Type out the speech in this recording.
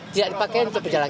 tidak dipakai untuk berjalan